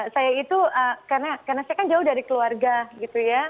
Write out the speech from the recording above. saya itu karena saya kan jauh dari keluarga gitu ya